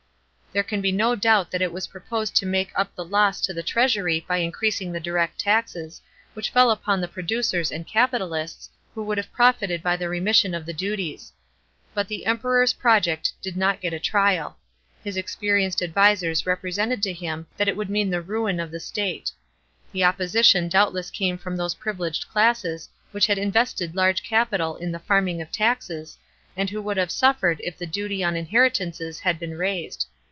There can be no doubt that it was proposed to make up the loss to the treasury by increasing the direct taxes, which fell upon the pro ducers and capitalists, who would have profited by the remission of the duties. But the Emperor's projt ct did not get a trial ; his experienced advisers represented to him that it would mean the ruin of the state. The opposition doubtless came from those privileged classes which had invested large capital in the farming of taxes, and who would have suffered if the duty on inheritances had been raised.